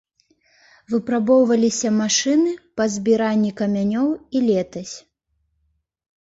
Выпрабоўваліся машыны па збіранні камянёў і летась.